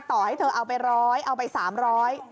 ต่อให้เธอเอาไปร้อยเอาไปสามร้อย